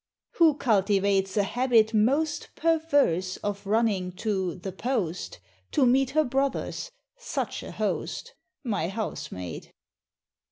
Who cultivates a habit most Perverse, of running to "The Post" To meet her brothers (such a host!)? My Housemaid.